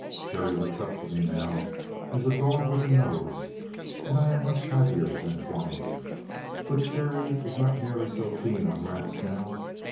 Kerry looks up to me now as a dog with a nose, and I am much happier than formerly. But Kerry is not nearly so keen on rats now.